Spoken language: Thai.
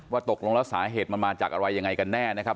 ตกลงแล้วสาเหตุมันมาจากอะไรยังไงกันแน่นะครับ